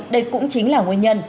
đây cũng chính là nguyên nhân